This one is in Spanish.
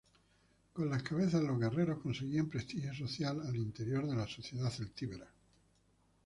Con las cabezas los guerreros conseguían prestigio social al interior de la sociedad celtíbera.